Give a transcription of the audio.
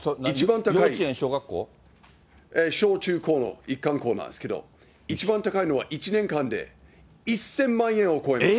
小中高の一貫校なんですけど、一番高いのは１年間で１０００万円を超えます。